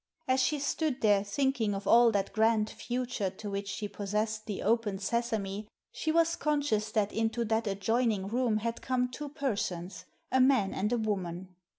As she stood there, thinking of all that grand future to which she possessed the " open sesame," she was conscious that into that adjoining room had come two persons, a man and a woman.